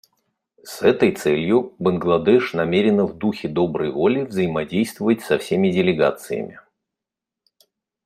С этой целью Бангладеш намерена в духе доброй воли взаимодействовать со всеми делегациями.